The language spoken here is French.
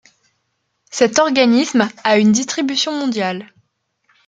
Cet organisme a une distribution mondiale.